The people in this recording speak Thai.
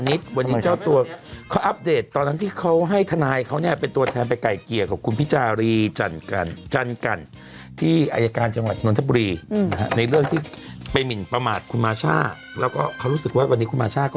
อีกอันหนึ่งคุณมาช่าคุณมาช่าวัตนักฐานิส